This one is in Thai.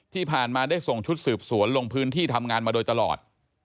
ที่ผ่านมาได้ส่งชุดสืบสวนลงพื้นที่ทำงานมาโดยตลอด